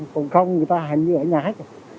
còn không người ta hẳn như ở nhà hết rồi